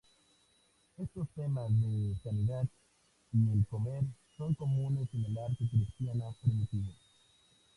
Estos temas de sanidad y el comer son comunes en el arte cristiano primitivo.